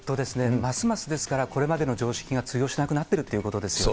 ますます、ですからこれまでの常識が通用しなくなってるということですよね。